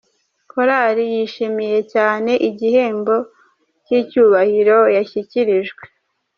Korali zishimiye cyane igihembo cy'icyubahiro zashyikirijwe.